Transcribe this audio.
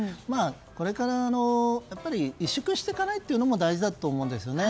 これから委縮していかないことも大事だと思うんですよね。